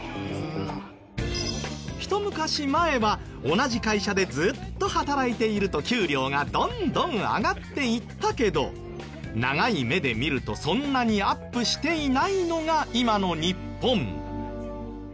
ひと昔前は同じ会社でずっと働いていると給料がどんどん上がっていったけど長い目で見るとそんなにアップしていないのが今の日本。